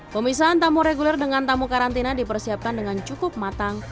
pemisahan tamu reguler dengan tamu karantina dipersiapkan dengan cukup matang